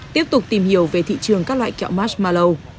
tiếp tục tìm hiểu về thị trường các loại kẹo masmalow